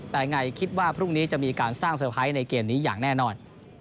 แต่ไงคิดว่าพรุ่งนี้จะมีการสร้างเซอร์ไพรส์ในเกมนี้อย่างแน่นอน